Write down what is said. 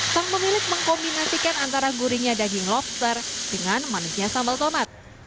sang pemilik mengkombinasikan antara gurihnya daging lobster dengan manisnya sambal tomat